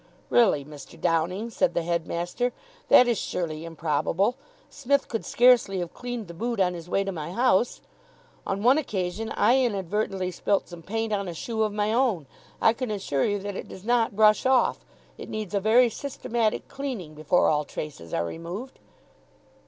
"Really, Mr. Downing," said the headmaster, "that is surely improbable. Smith could scarcely have cleaned the boot on his way to my house. On one occasion I inadvertently spilt some paint on a shoe of my own. I can assure you that it does not brush off. It needs a very systematic cleaning before all traces are removed."